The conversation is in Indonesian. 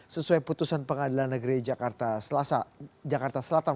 sesuai putusan pengadilan negeri jakarta selatan